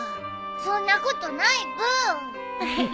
そんなことないブー。